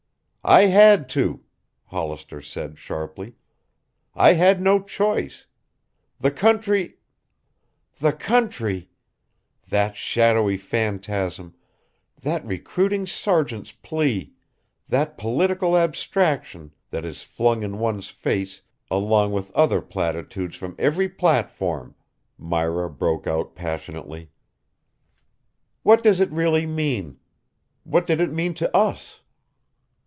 "I had to," Hollister said sharply. "I had no choice. The country " "The country! That shadowy phantasm that recruiting sergeant's plea that political abstraction that is flung in one's face along with other platitudes from every platform," Myra broke out passionately. "What does it really mean? What did it mean to us?